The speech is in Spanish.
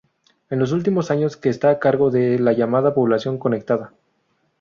En los últimos años, que está a cargo de la llamada población conectada.